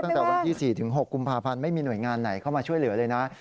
ตั้งแต่วันที่๔๖กุมภาพันธ์ไม่มีหน่วยงานไหนเข้ามาช่วยเหลือเลยนะ